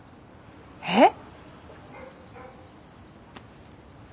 えっ？